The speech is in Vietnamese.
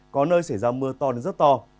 có nơi xảy ra mưa to đến rất to